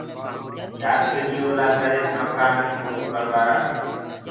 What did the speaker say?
يآدگِريو لآ همي وهآنٚ ڪا ڦوٽو ڪڙوآرآ۔